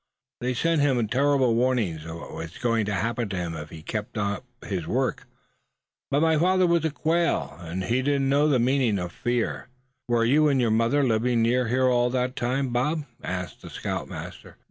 They sent him terrible warnings of what was going to happen to him if he kept up his work; but my father was a Quail; and he didn't know the meanin' of the word fear, suh." "Were you and your mother living near here all that time, Bob?" asked the scoutmaster.